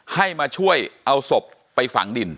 ให้มาช่วยเอาศพไปฝังดิน